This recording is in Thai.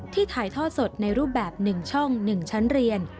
ที่ถ่ายทอดสดในรูปแบบหนึ่งช่องหนึ่งชั้นเรียน